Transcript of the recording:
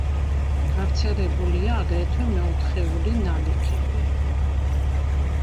გავრცელებულია აგრეთვე მეოთხეული ნალექები.